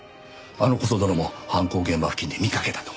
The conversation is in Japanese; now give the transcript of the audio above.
あのコソ泥も犯行現場付近で見かけたと。